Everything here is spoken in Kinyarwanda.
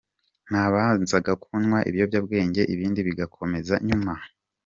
Nabanzaga kunywa ibiyobyabwenge, ibindi bigakomeza nyuma.